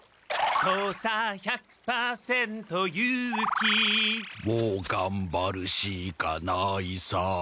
「そうさ１００％勇気」「もうがんばるしかないさ」